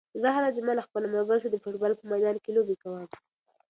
زه هره جمعه له خپلو ملګرو سره د فوټبال په میدان کې لوبې کوم.